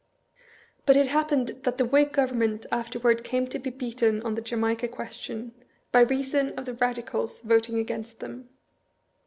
But it happened that the Whig Government afterward came to be beaten on the Jamaica question, by reason of the Radi cals voting against them.